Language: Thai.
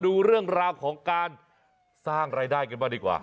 ดูเรื่องราวของการสร้างรายได้กันบ้างดีกว่า